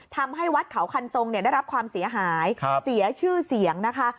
ทำให้วัดเขาคันทรงได้รับความเสียหายเสียชื่อเสียงนะคะ